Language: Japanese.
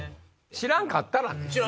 知らんかったらね。